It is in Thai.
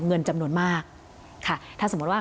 เงินจำนวนมากค่ะถ้าสมมุติว่า